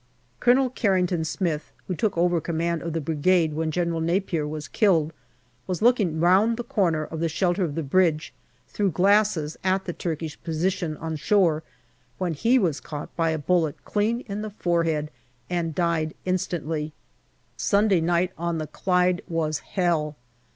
Colonel Carrington Smith, who took over command of the Brigade when General Napier was killed, was looking round the corner of the shelter of the bridge through glasses at the Turkish position on shore when he was caught by a bullet clean in the forehead and died instantly. Sunday night on the Clyde was hell.